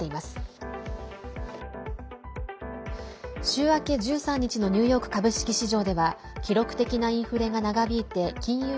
週明け１３日のニューヨーク株式市場では記録的なインフレが長引いて金融